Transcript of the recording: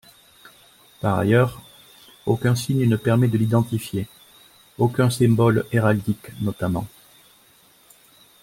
Par ailleurs, aucun signe ne permet de l'identifier, aucun symbole héraldique notamment.